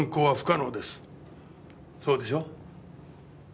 そうでしょ？